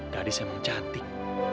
gadis emang cantik